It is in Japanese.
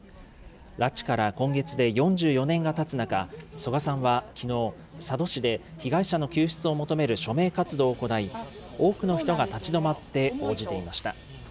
拉致から今月で４４年がたつ中、曽我さんはきのう、佐渡市で被害者の救出を求める署名活動を行い、多くの人が立ち止まって応じていました。